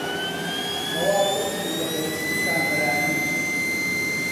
ئەوا پڕ بوو لە خۆشی و کامەرانی